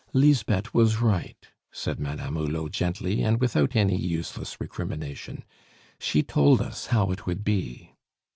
"Lisbeth was right," said Madame Hulot gently and without any useless recrimination, "she told us how it would be."